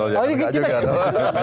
oh ini kita juga belajar